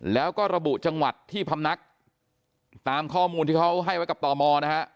แล้วก็ระบุจังหวัดที่พำนักตามข้อมูลที่เขาให้ไว้กับตมนะฮะ